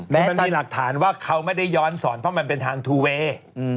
แต่มันมีหลักฐานว่าเขาไม่ได้ย้อนสอนเพราะมันเป็นทางทูเวย์